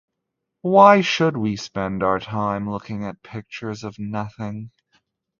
Why should we spend our time looking at 'pictures of nothing'?